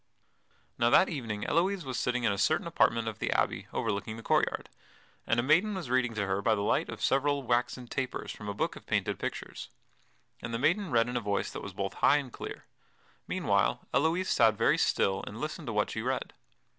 Now that evening Elouise was sitting in a certain apartment of the abbey overlooking the court yard, and a maiden was reading to her by the light of several waxen tapers from a book of painted pictures. And the maiden read in a voice that was both high and clear; meanwhile, Elouise sat very still and listened to what she read.